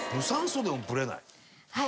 はい。